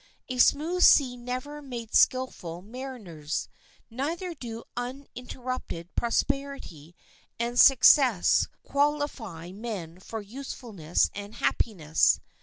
A smooth sea never made skillful mariners, neither do uninterrupted prosperity and success qualify men for usefulness and happiness.